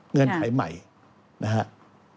เงื่อนไขใหม่นะครับ